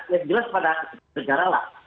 yang jelas pada negara lah